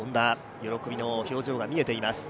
喜びの表情が見えています。